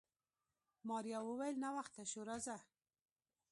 ماريا وويل ناوخته شو راځه.